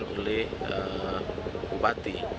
yang diesakan oleh bupati